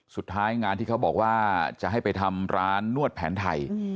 สุดท้ายงานที่เขาบอกว่าจะให้ไปทำร้านนวดแผนไทย